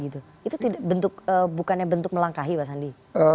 itu bukannya bentuk melangkahi pak sandi